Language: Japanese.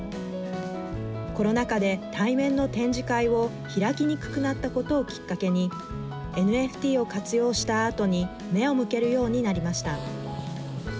コロナ禍で対面の展示会を開きにくくなったことをきっかけにＮＦＴを活用したアートに目を向けるようになりました。